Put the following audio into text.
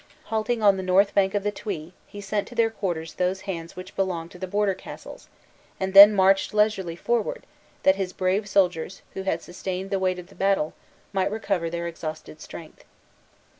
Halting on the north bank of the Twee, he sent to their quarters those hands which belonged to the border castles, and then marched leisurely forward, that his brave soldiers, who had sustained the weight of the battle, might recover their exhausted strength.